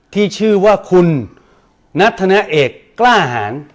ที่ชื่อว่าคุณนัทธนาเอกกล้าหาร